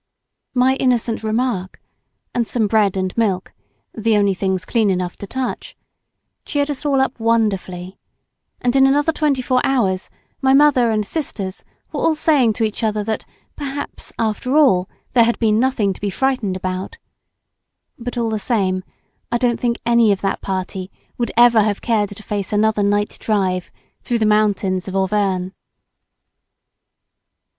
My innocent remark and some bread and milk—the only things clean enough to touch—cheered us all up wonderfully, and in another twenty four hours my mother and sisters were all saying to each other that perhaps, after all, there had been nothing to be frightened about; but all the same, I don't think any of that party would ever have cared to face another night drive through the mountains of Auvergne.